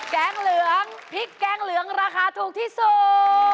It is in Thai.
แกงเหลืองพริกแกงเหลืองราคาถูกที่สุด